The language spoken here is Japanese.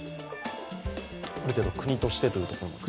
ある程度国としてというところですかね。